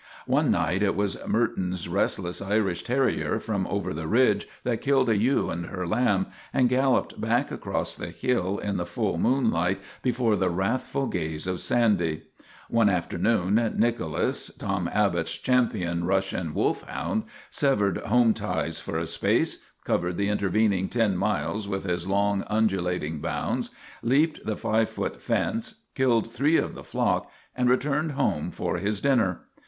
One night it was Morton's restless Irish terrier from over the ridge that killed a ewe and her lamb, and galloped back across the hill in the full moon light before the wrathful gaze of Sandy. One afternoon Nicholas. Tom Abbott's champion Rus sian wolfhound, severed home ties for a space, covered the intervening ten miles with his long, un dulating bounds, leaped the live foot fence, killed three of the flock, and returned home for his din ner.